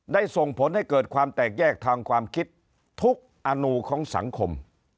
ส่งผลให้เกิดความแตกแยกทางความคิดทุกอนุของสังคม